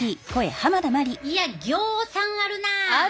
いやぎょうさんあるなあ。